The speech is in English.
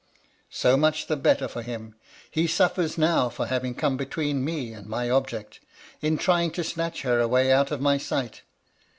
"' So much the better for him. He suffers now for having come between me and my object — in trying to snatch her away out of my sight.